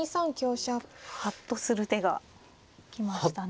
ハッとする手が来ましたね。